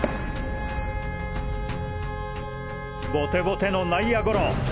ボテボテの内野ゴロ！